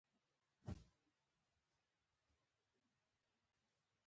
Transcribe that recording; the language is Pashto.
پر ما یې ناحقه دعوه کړې ده.